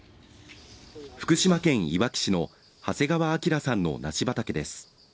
福島県いわき市の長谷川章さんの梨畑です。